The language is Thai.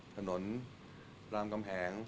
ถนนรามกำแหง